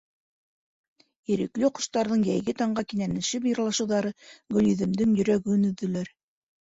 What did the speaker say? Ирекле ҡоштарҙың йәйге таңға кинәнеп йырлашыуҙары Гөлйөҙөмдөң йөрәген өҙҙөләр.